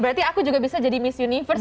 berarti aku juga bisa jadi miss universe ya